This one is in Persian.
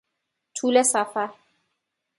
طول سفر